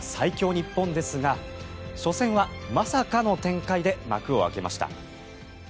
日本ですが初戦はまさかの展開で幕を開けました。